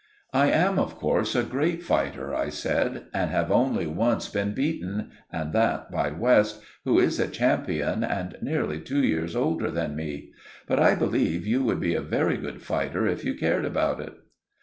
"I am, of course, a great fighter," I said, "and have only once been beaten, and that by West, who is a champion and nearly two years older than me. But I believe you would be a very good fighter if you cared about it."